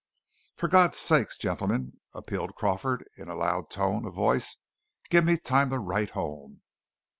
"For God's sake, gentlemen," appealed Crawford in a loud tone of voice, "give me time to write home!"